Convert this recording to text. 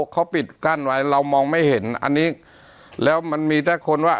เขาปิดกั้นไว้เรามองไม่เห็นอันนี้แล้วมันมีแต่คนว่า